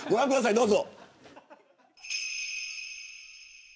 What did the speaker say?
どうぞ。